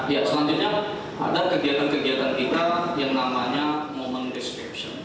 ya selanjutnya ada kegiatan kegiatan kita yang namanya momen description